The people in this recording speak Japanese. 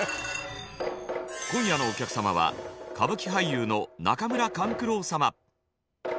今夜のお客様は歌舞伎俳優の中村勘九郎様。